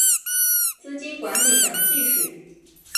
资金管理等技术